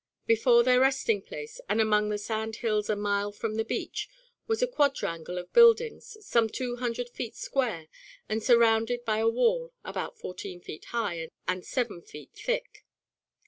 Before their resting place, and among the sand hills a mile from the beach, was a quadrangle of buildings some two hundred feet square and surrounded by a wall about fourteen feet high and seven feet thick.